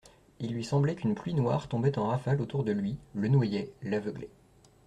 Il lui semblait qu'une pluie noire tombait en rafale autour de lui, le noyait, l'aveuglait.